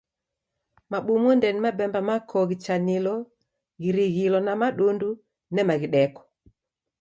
Mabumunde ni mabemba makoo ghichanilo ghirighilo na madundu nema ghideko.